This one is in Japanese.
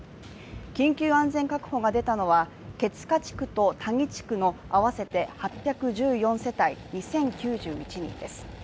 緊急安全確保が出たのは毛塚地区と田木地区の合わせて８１４世帯２０９１人です。